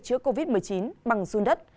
chữa covid một mươi chín bằng dung đất